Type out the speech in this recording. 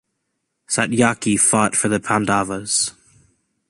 Satyaki fought for the Pandavas.